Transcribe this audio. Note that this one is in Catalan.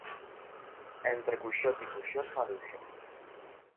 Entre cuixot i cuixot, maduixot.